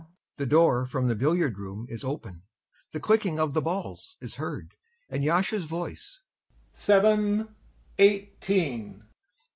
[The door from the billiard room is open; the clicking of the balls is heard, and YASHA'S voice, "Seven, eighteen!"